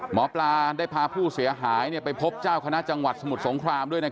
หมอปลาได้พาผู้เสียหายไปพบเจ้าคณะจังหวัดสมุทรสงครามด้วย